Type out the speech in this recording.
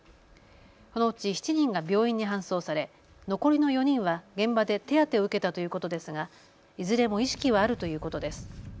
このうち７人が病院に搬送され残りの４人は現場で手当てを受けたということですがいずれも意識はあるということです。